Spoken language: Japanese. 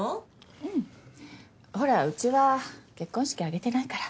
うんほらうちは結婚式挙げてないから。